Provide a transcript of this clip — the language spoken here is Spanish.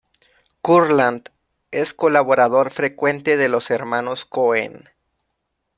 Kurland es colaborador frecuente de los hermanos Coen.